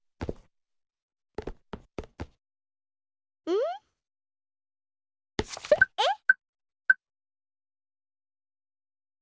うん？えっ？